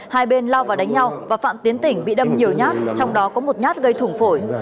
hai bên lao vào đánh nhau và phạm tiến tỉnh bị đâm nhiều nhát trong đó có một nhát gây thủng phổi